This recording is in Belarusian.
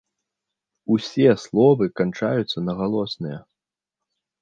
Усе словы канчаюцца на галосныя.